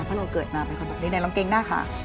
เพราะเราเกิดมาเป็นคนหลังเกงหน้าขา